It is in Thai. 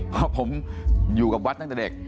เพราะผมอยู่กับวัดตั้งแต่เด็ก